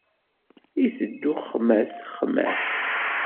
Iteddu xmat, xmat.